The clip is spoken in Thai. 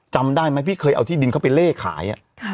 จำได้ไหมพี่เคยเอาที่ดินเข้าไปเล่ขาย